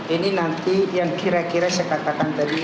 ini nanti yang kira kira saya katakan tadi